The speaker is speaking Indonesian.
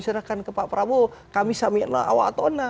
serahkan ke pak prabowo